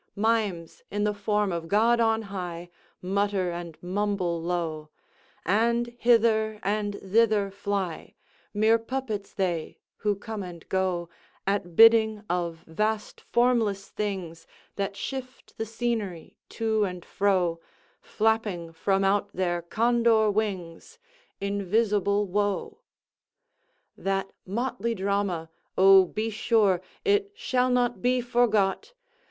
Mimes, in the form of God on high, Mutter and mumble low, And hither and thither fly; Mere puppets they, who come and go At bidding of vast formless things That shift the scenery to and fro, Flapping from out their Condor wings Invisible Wo! That motley drama!—oh, be sure It shall not be forgot!